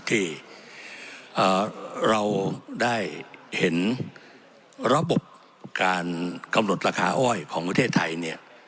ที่เราได้เห็นระบบการกำหนดราคาอ้อยของประเทศไทยเนี่ย